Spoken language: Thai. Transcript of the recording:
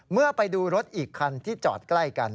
เมื่อไปดูรถอีกคันที่จอดใกล้กัน